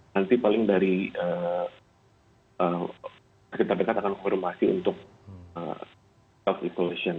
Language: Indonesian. nanti paling dari sekitar dekat akan konfirmasi untuk health regulation